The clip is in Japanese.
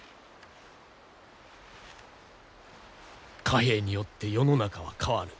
貨幣によって世の中は変わる。